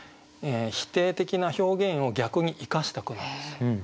否定的な表現を逆に生かした句なんですよ。